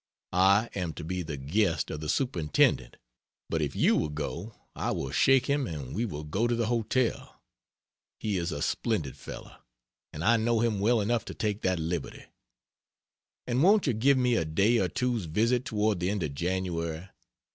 I am to be the guest of the Superintendent, but if you will go I will shake him and we will go to the hotel. He is a splendid fellow, and I know him well enough to take that liberty. And won't you give me a day or two's visit toward the end of January?